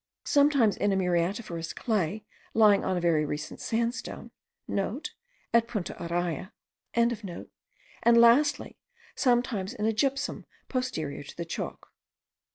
sometimes in a muriatiferous clay lying on a very recent sandstone,* (* At Punta Araya.) and lastly, sometimes in a gypsum* posterior to the chalk.